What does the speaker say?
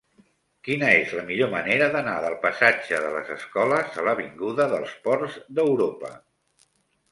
Quina és la millor manera d'anar del passatge de les Escoles a l'avinguda dels Ports d'Europa?